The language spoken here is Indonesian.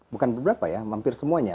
bukan beberapa ya hampir semuanya